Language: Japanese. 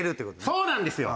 そうなんですよ。